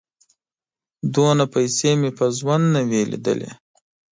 _دومره پيسې مې په ژوند نه وې لېدلې.